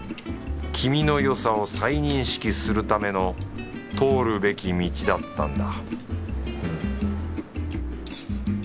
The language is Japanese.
君のよさを再認識するための通るべき道だったんだ